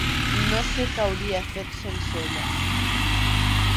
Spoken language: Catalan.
No sé què hauria fet sense ella.